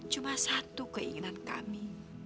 cuma satu keinginan kami